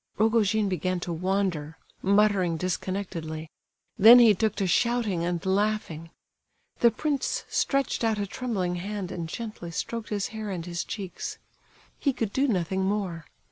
Rogojin began to wander—muttering disconnectedly; then he took to shouting and laughing. The prince stretched out a trembling hand and gently stroked his hair and his cheeks—he could do nothing more.